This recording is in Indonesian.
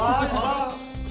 wah iya pak